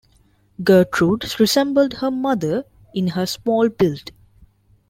Gertrude resembled her mother in her small build.